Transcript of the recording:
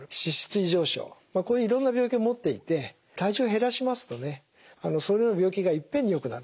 こういういろんな病気を持っていて体重を減らしますとねそれらの病気がいっぺんに良くなる。